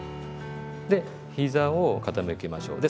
でひざを傾けましょう。